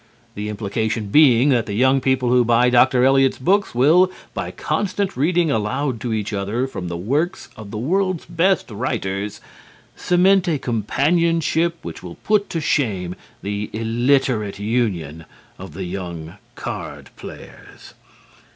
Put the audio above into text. the implication being that the young people who buy Dr. Eliot's books will, by constant reading aloud to each other from the works of the world's best writers, cement a companionship which will put to shame the illiterate union of the young card players.